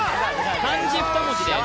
漢字２文字です